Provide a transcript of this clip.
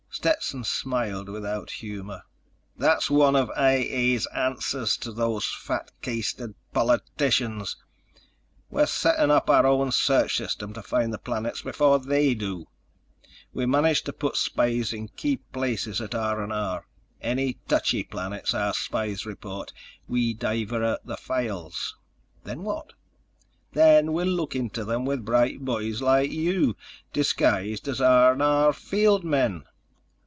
Stetson smiled without humor. "That's one of I A's answers to those fat keistered politicians. We're setting up our own search system to find the planets before they do. We've managed to put spies in key places at R&R. Any touchy planets our spies report, we divert the files." "Then what?" "Then we look into them with bright boys like you—disguised as R&R field men."